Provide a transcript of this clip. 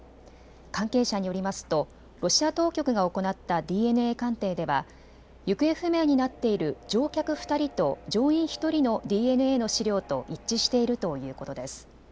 関係者によりますとロシア当局が行ったＤＮＡ鑑定では行方不明になっている乗客２人と乗員１人のＤＮＡの資料と一致しているということです。